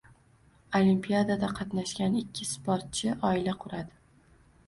Olimpiadada qatnashgan ikki sportchi oila quradi